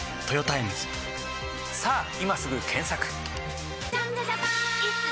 さぁ今すぐ検索！